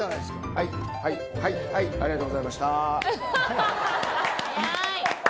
はいはいはいありがとうございました。